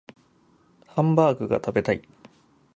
ハンバーグが食べたい